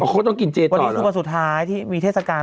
เขาต้องกินเจนวันนี้คือวันสุดท้ายที่มีเทศกาล